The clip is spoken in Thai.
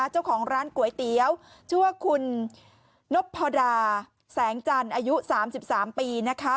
เจ้าของร้านก๋วยเตี๋ยวชื่อว่าคุณนพดาแสงจันทร์อายุ๓๓ปีนะคะ